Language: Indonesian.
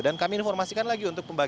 dan kami informasikan lagi untuk pemerintah